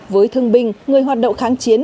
với thương binh người hoạt động kháng chiến